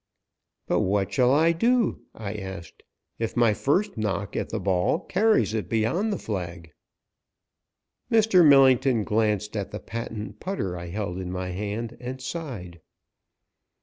"But what shall I do," I asked, "if my first knock at the ball carries it beyond the flag?" Mr. Millington glanced at the patent putter I held in my hand, and sighed.